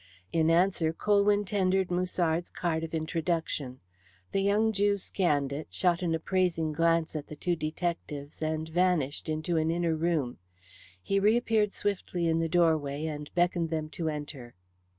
In answer Colwyn tendered Musard's card of introduction. The young Jew scanned it, shot an appraising glance at the two detectives, and vanished into an inner room. He reappeared swiftly in the doorway, and beckoned them to enter.